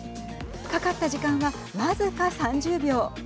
かかった時間は僅か３０秒。